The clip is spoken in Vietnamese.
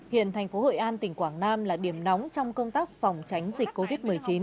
hiện thành phố hội an tỉnh quảng nam là điểm nóng trong công tác phòng tránh dịch covid một mươi chín